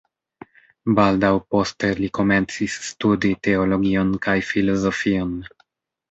Baldaŭ poste li komencis studi teologion kaj filozofion.